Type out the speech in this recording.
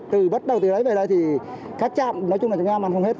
từ bắt đầu từ đấy về đây thì các chạm nói chung là chúng em ăn không hết